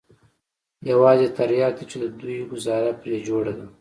يوازې ترياک دي چې د دوى گوزاره پرې جوړه ده.